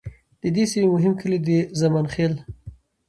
د دې سیمې مهم کلي د زمان خیل،